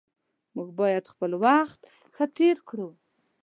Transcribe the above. موږ باید خپل وخت ښه تیر کړو